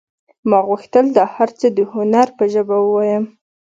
ما غوښتل دا هر څه د هنر په ژبه ووایم